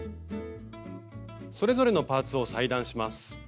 それぞれのパーツを裁断します。